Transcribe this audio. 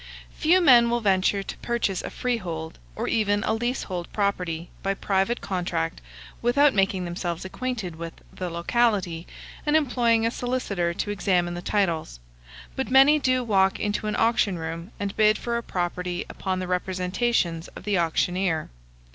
Few men will venture to purchase a freehold, or even a leasehold property, by private contract, without making themselves acquainted with the locality, and employing a solicitor to examine the titles,; but many do walk into an auction room, and bid for a property upon the representations of the auctioneer.